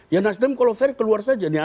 ya nasdem kalau fair keluar saja